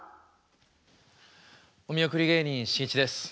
お見送り芸人しんいちです。